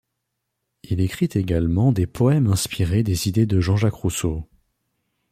Il écrit également des poèmes inspirés des idées de Jean-Jacques Rousseau.